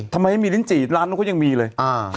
ทำไมไม่มีลิ้นจี่ร้านนู้นก็ยังมีเลย